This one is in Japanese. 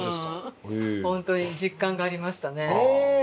本当に実感がありましたね。